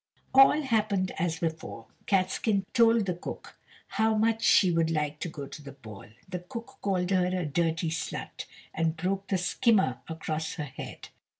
All happened as before. Catskin told the cook how much she would like to go to the ball, the cook called her "a dirty slut," and broke the skimmer across her head.